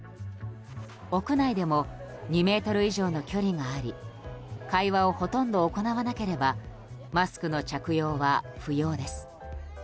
屋内でも２ｍ以上の距離があり会話をほとんど行わなければマスクの着用は不要です。